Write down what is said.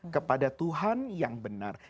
kepada tuhan yang benar